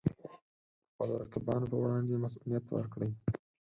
خپلو رقیبانو پر وړاندې مصئونیت ورکړي.